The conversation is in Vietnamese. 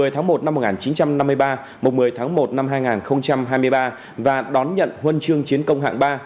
một mươi tháng một năm một nghìn chín trăm năm mươi ba một mươi tháng một năm hai nghìn hai mươi ba và đón nhận huân chương chiến công hạng ba